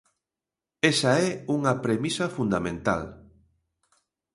Esa é unha premisa fundamental.